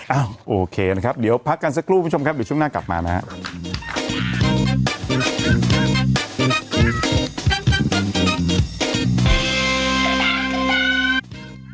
โอเคนะครับเดี๋ยวพักกันสักครู่คุณผู้ชมครับเดี๋ยวช่วงหน้ากลับมานะครับ